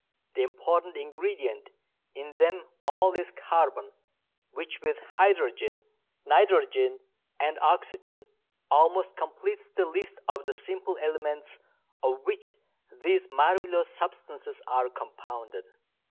The important ingredient in them all is carbon, which with hydrogen, nitrogen and oxygen almost completes the list of the simple elements of which these marvellous substances are compounded.